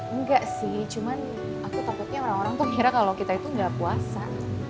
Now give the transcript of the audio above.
ya enggak sih cuman aku takutnya orang orang tuh ngira kalo kita itu gak puasa